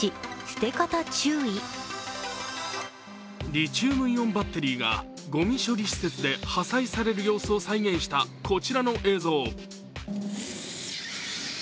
リチウムイオンバッテリーがごみ処理施設で破砕される様子を再現したこちらの映像。